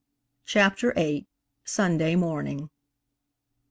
CHAPTER VIII. SUNDAY MORNING.